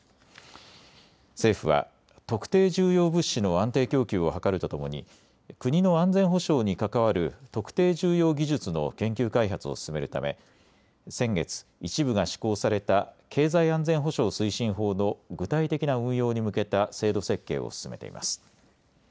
政府は特定重要物資の安定供給を図るとともに国の安全保障に関わる特定重要技術の研究開発を進めるため先月、一部が施行された経済安全保障推進法の具体的な運用に向けた制度設計を進めています。